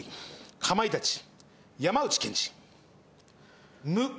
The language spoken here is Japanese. かまいたち山内健司。